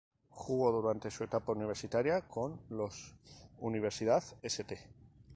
Jugó durante su etapa universitaria con los "Universidad St.